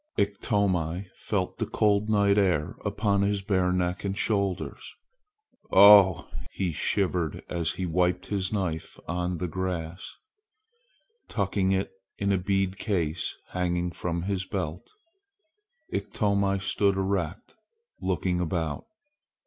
Iktomi felt the cold night air upon his bare neck and shoulders. "Ough!" he shivered as he wiped his knife on the grass. Tucking it in a beaded case hanging from his belt, Iktomi stood erect, looking about.